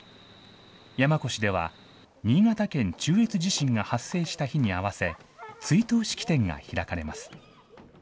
山古志では、新潟県中越地震が発生した日に合わせ、追悼式典が開かれます。